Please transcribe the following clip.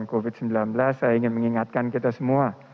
covid sembilan belas saya ingin mengingatkan kita semua